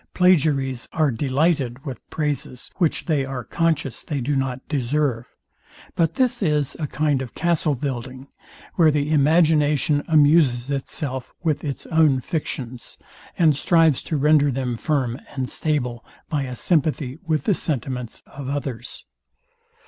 Plagiaries are delighted with praises, which they are conscious they do not deserve; but this is a kind of castle building, where the imagination amuses itself with its own fictions, and strives to render them firm and stable by a sympathy with the sentiments of others.